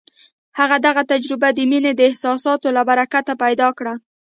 هغه دغه تجربه د مينې د احساساتو له برکته پيدا کړه.